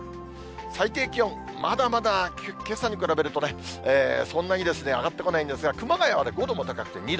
最低気温、まだまだけさに比べるとね、そんなに上がってこないんですが、熊谷は５度も高くて